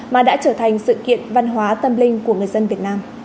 mà đã trở thành sự kiện văn hóa tâm linh của người dân việt nam